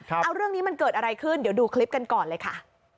เอาเรื่องนี้มันเกิดอะไรขึ้นเดี๋ยวดูคลิปกันก่อนเลยค่ะ